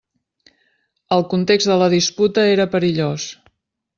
El context de la disputa era perillós.